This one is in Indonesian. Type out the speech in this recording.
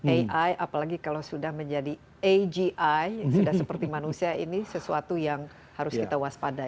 ai apalagi kalau sudah menjadi agi sudah seperti manusia ini sesuatu yang harus kita waspadai